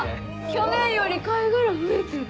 去年より貝殻増えてる。